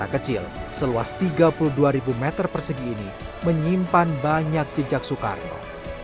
anak kecil seluas tiga puluh dua meter persegi ini menyimpan banyak jejak soekarno